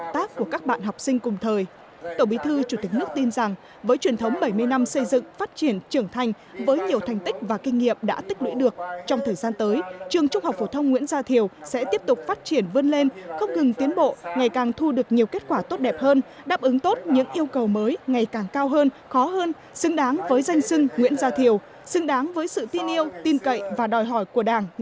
tổng bí thư chủ tịch nước nguyễn phú trọng đã đến dự lễ kỷ niệm bảy mươi năm thành lập trường trung học phổ thông nguyễn phú trọng đã đến dự lễ kỷ niệm bảy mươi năm thành lập trường trung học phổ thông nguyễn phú trọng